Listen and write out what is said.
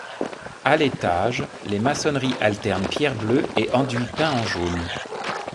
À l'étage, les maçonneries alternent pierre bleue et enduit peint en jaune.